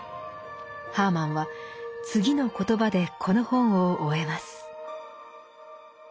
ハーマンは次の言葉でこの本を終えます。